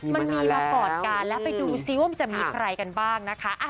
มันมีมาก่อนกันแล้วไปดูซิว่ามันจะมีใครกันบ้างนะคะ